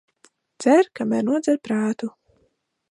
Dzer, kamēr nodzer prātu.